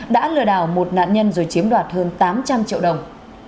đã lừa đảo một nạn nhân rồi chiếm đoạt hơn tám trăm linh triệu đồng